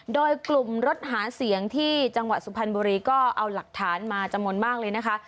โดยกลุ่มรถหาเสียงที่จังหวัดสุพรรณบุรีก็เอาหลักฐานมาจำนวนมากเลยนะคะ